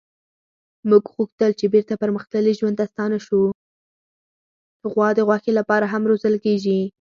غوا د غوښې لپاره هم روزل کېږي.